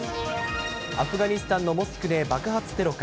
アフガニスタンのモスクで爆発テロか。